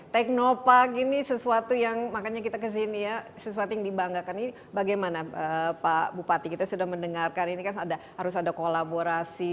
teknopark ini sesuatu yang makanya kita kesini ya sesuatu yang dibanggakan ini bagaimana pak bupati kita sudah mendengarkan ini kan harus ada kolaborasi